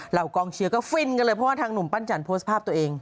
กองเชียร์ก็ฟินกันเลยเพราะว่าทางหนุ่มปั้นจันโพสต์ภาพตัวเอง